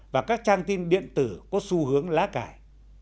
và các trang tin điện tử có xu hướng lá cải